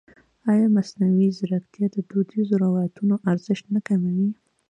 ایا مصنوعي ځیرکتیا د دودیزو روایتونو ارزښت نه کموي؟